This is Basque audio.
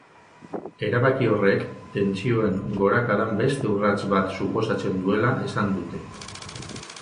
Erabaki horrek, tentsioen gorakadan beste urrats bat suposatzen duela esan dute.